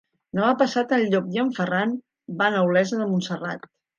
Demà passat en Llop i en Ferran van a Olesa de Montserrat.